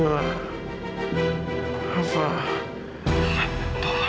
ya allah tolong